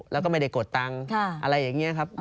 แล้วก็ไม่ได้กดตังค์อะไรอย่างนี้ครับ